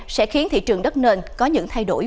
sẽ khiến thị trường đất nền có những thay đổi